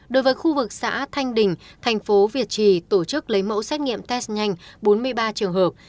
đối với khu vực xã thanh đình thành phố việt trì tổ chức lấy mẫu xét nghiệm test nhanh bốn mươi ba trường hợp